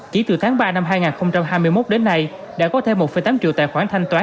chỉ từ tháng ba năm hai nghìn hai mươi một đến nay đã có thêm một tám triệu tài khoản thanh toán